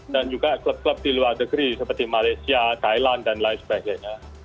dan juga klub klub di luar negeri seperti malaysia thailand dan lain sebagainya